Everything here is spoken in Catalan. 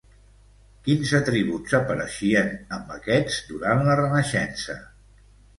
Quins atributs apareixien amb aquests durant la renaixença?